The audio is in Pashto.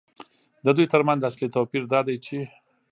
د دوی ترمنځ اصلي توپیر دا دی چې